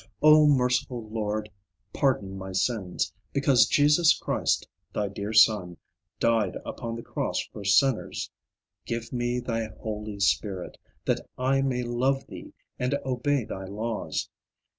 O Merciful Lord, pardon my sins, Because Jesus Christ, thy dear Son, Died upon the cross for sinners. Give me thy Holy Spirit, That I may love Thee, and obey thy laws.